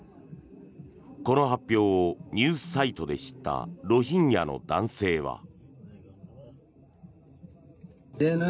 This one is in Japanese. この発表をニュースサイトで知ったロヒンギャの男性は。